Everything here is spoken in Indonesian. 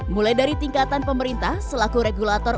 mulai dari tingkatan pemerintah selaku regulator